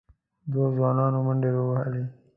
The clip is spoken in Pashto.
دوو ځوانانو منډې راوهلې،